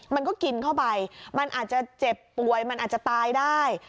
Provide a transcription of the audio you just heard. มันก็กินเข้าไปมันอาจจะเจ็บป่วยมันอาจจะตายได้